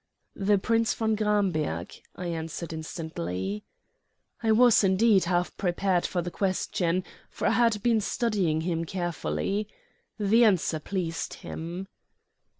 "The Prince von Gramberg," I answered instantly. I was, indeed, half prepared for the question, for I had been studying him carefully. The answer pleased him.